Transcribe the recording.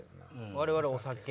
我々お酒。